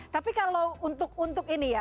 tapi kalau untuk ini ya